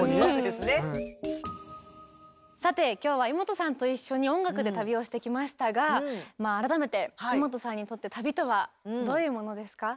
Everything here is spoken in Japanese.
さて今日はイモトさんと一緒に音楽で旅をしてきましたが改めてイモトさんにとって旅とはどういうものですか？